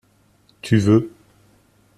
Tu veux.